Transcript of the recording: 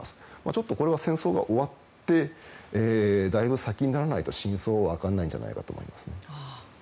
ちょっとこれは戦争が終わってだいぶ先にならないと真相は分からないんじゃないかと思います。